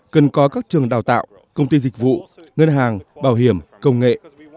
cần có các trường đào tạo công ty dịch vụ ngân hàng bảo hiểm công nghệ